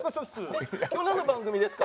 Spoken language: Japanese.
今日なんの番組ですか？